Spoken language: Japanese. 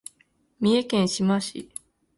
三重県志摩市